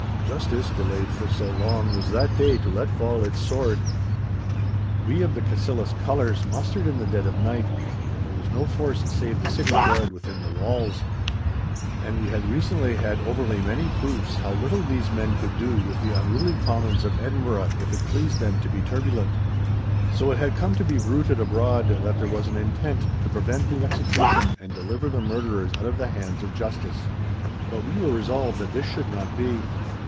Justice, delayed for long, was that day to let fall its sword. We of the Cassillis colours mustered in the dead of the night, for there was no force save the City Guard within the walls. And we had recently had overly many proofs how little these men could do with the unruly commons of Edinburgh if it pleased them to be turbulent. So it had come to be bruited abroad, that there was an intent to prevent the execution and deliver the murderers out of the hands of justice. But we were resolved that this should not be.